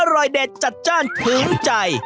อร่อยเด็ดจัดจ้านถึงใจ